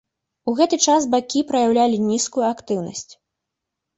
У гэты час бакі праяўлялі нізкую актыўнасць.